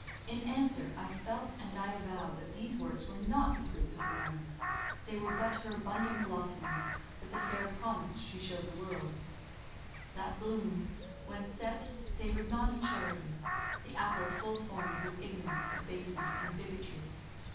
In answer, I felt and I avowed that these works were not the fruits of Rome; they were but her abundant blossoming, but the fair promise she showed the world, that bloom when set, savoured not of charity; the apple full formed was ignorance, abasement, and bigotry.